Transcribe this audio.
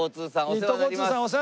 お世話になります。